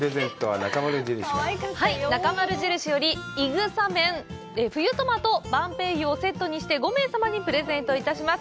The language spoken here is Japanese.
なかまる印よりいぐさ麺、冬トマト、晩白柚をセットにして、５名様にプレゼントいたします。